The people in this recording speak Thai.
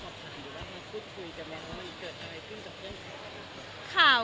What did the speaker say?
เราก็พูดคุยไปรับแมวว่ามันเกิดอะไรขึ้นกับเครื่องคล้าย